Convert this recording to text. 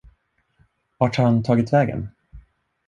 Vart har han tagit vägen?